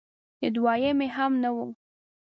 د دویمې هم نه و